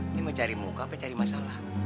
ini mau cari muka apa cari masalah